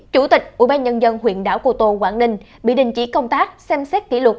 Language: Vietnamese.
chủ tịch ủy ban nhân dân huyện đảo cô tô quảng đình bị đình chỉ công tác xem xét kỷ lục